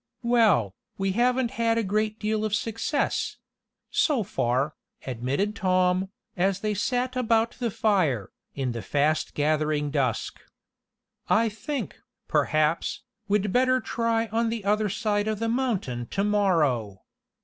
"Well, we haven't had a great deal of success so far," admitted Tom, as they sat about the fire, in the fast gathering dusk. "I think, perhaps, we'd better try on the other side of the mountain to morrow.